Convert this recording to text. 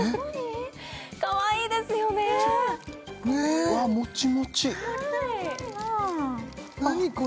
かわいいですよねえ！？わもちもち何これ？